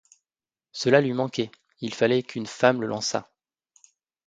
Cela lui manquait, il fallait qu'une femme le lançât.